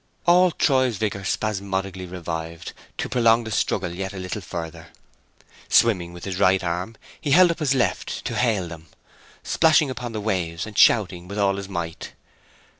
All Troy's vigour spasmodically revived to prolong the struggle yet a little further. Swimming with his right arm, he held up his left to hail them, splashing upon the waves, and shouting with all his might.